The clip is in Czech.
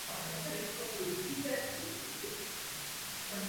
Je řízen Olomouckým krajským fotbalovým svazem.